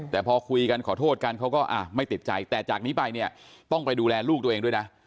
แต่พอคุยกันขอโทษกันเขาก็ไม่ติดใจแต่จากนี้ไปเนี่ยต้องไปดูแลลูกตัวเองด้วยนะ